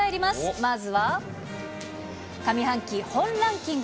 まずは、上半期本ランキング。